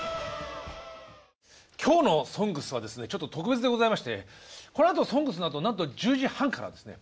今日の「ＳＯＮＧＳ」はですねちょっと特別でございましてこのあと「ＳＯＮＧＳ」のあとなんと１０時半からですねＦＩＦＡ